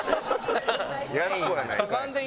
やす子やないかい。